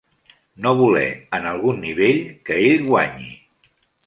No voler, en algun nivell, que ell guanyi.